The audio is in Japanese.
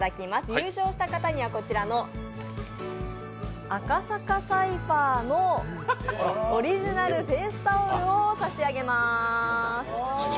優勝した方にはこちらの赤坂サイファーのオリジナルフェイスタオルを差し上げます。